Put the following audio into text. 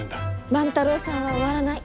万太郎さんは終わらない！